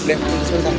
aku jasin dulu dong